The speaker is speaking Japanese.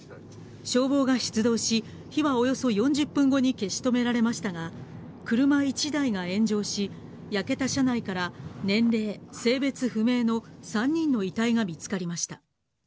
消防が出動し、火はおよそ４０分後に消し止められましたが、車１台が炎上し、焼けた車内から、年齢、性別不明の３人の遺体が見つかりました。